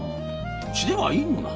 うちではいいもな？